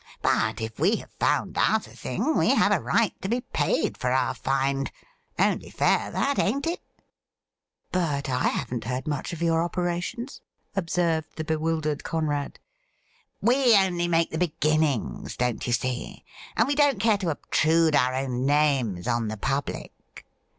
But if we have found out a thing, we have a right to be paid for our find. Only fair that,. ain't it ?''' But I haven't heard much of your operations,' observed the bewildered Conrad. ' We only make the beginnings, don't you see, and we don't care to obtrude our own names on the public.